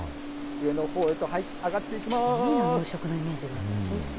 上のほうへと上がっていきます。